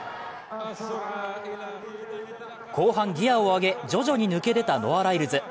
後半ギヤを上げ、徐々に抜け出たノア・ライルズ。